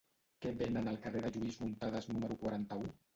Què venen al carrer de Lluís Muntadas número quaranta-u?